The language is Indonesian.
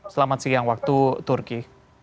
selamat siang waktu turki